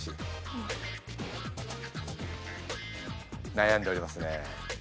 悩んでおりますね。